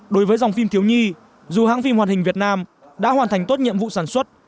đối với dòng phim thiếu nhi dù hãng phim hoàn hình việt nam đã hoàn thành tốt nhiệm vụ sản xuất